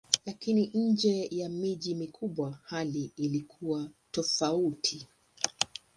Lakini nje ya miji mikubwa hali ilikuwa tofauti.